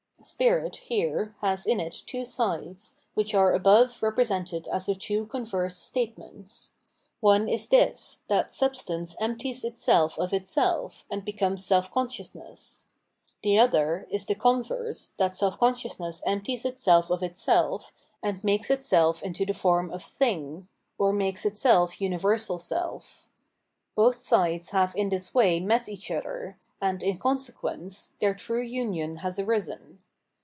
Spirit, here, has in it two sides, which are above re presented as the two converse statements : one is this, that substance empties itself of itself, and becomes self consciousness ; the other is the converse, that self consciousness empties itself of itself and makes itself into the form of " thing," or makes itself universal self. Both sides have in this way met each other, and, in consequence, their true union has arisen.